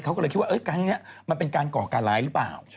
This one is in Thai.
เขาก็เลยคิดว่าครั้งนี้มันเป็นการก่อการร้ายหรือเปล่า